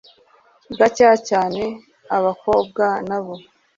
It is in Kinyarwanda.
gakeya cyane abakobwa nabo